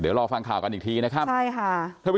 เดี๋ยวรอฟังข่ากันอีกทีนะครับ